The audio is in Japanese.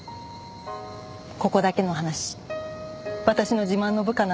ここだけの話私の自慢の部下なんです。